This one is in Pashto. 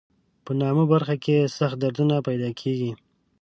په نامه برخه کې سخت دردونه پیدا کېږي.